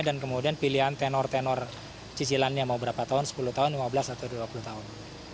dan kemudian pilihan tenor tenor cicilannya mau berapa tahun sepuluh tahun lima belas atau dua puluh tahun